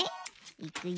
いくよ。